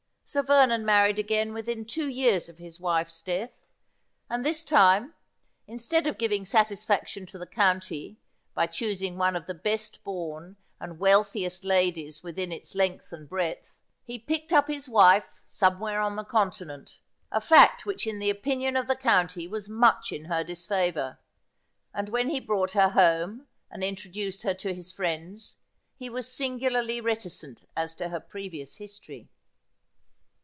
Sir Vernon married again within two years of his wife's death ; and, this time, instead of giving satisfaction to the county by choosing one of the best born and wealthiest ladies within its length and breadth, he ' Curteis She was, Discrete, and Dehonaire.' 43 picked up his wife somewhere on the Continent — a fact which in the opinion of the county was much in her disfavour — and when he brought her home and introduced her to his friends, he was singularly reticent as to her previous history.